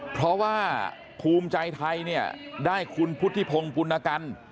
เพราะว่าภูมิใจไทยเนี่ยได้คุณพุทธิพงศ์ปุณกัน